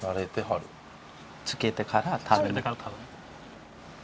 つけてから食べる。